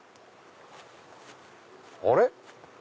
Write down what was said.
あれ？